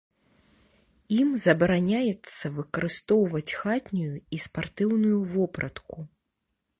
Ім забараняецца выкарыстоўваць хатнюю і спартыўную вопратку.